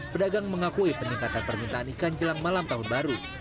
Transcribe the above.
pedagang mengakui peningkatan permintaan ikan jelang malam tahun baru